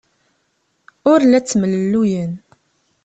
Ur la ttemlelluyen.